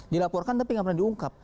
dilaporkan tapi nggak pernah diungkap